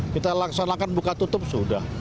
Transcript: kita laksanakan buka tutup sudah